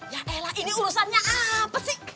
ya elah ini urusannya apa sih